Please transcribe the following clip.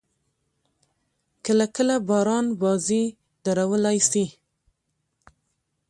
کله – کله باران بازي درولای سي.